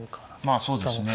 まあそうですね。